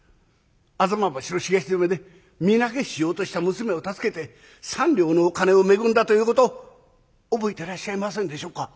吾妻橋の東詰で身投げしようとした娘を助けて３両のお金を恵んだということ覚えてらっしゃいませんでしょうか？」。